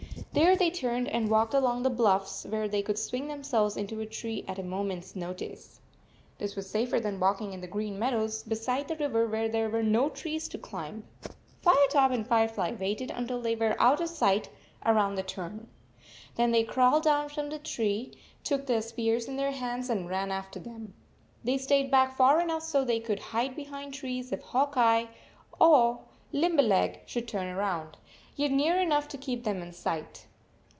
There they turned and walked along the bluffs, where they could swing themselves into a tree at a moment s notice. This was safer than walking in the green meadows beside the river where there were no trees to climb. Firetop and Firefly waited until they were out of sight around the turn. Then they crawled down from the tree, took their spears in their hands, and ran after them. They stayed back far enough so they could hide behind trees if Hawk Eye or Lim berleg should turn round, yet near enough to keep them in sight.